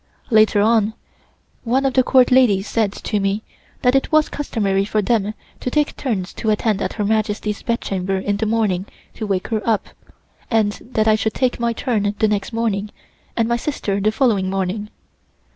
Later on one of the Court ladies said to me that it was customary for them to take turns to attend at Her Majesty's bedchamber in the morning to wake her up, and that I should take my turn the next morning and my sister the following morning.